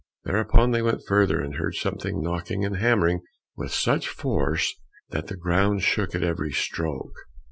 Thereupon they went further and heard something knocking and hammering with such force that the ground shook at every stroke.